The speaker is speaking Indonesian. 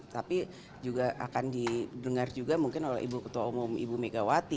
tapi juga akan didengar juga mungkin oleh ibu ketua umum ibu megawati